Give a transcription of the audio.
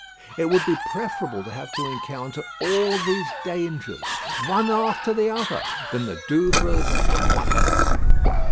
It would be preferable to have to encounter all these dangers, one after the other, than the Douvres once.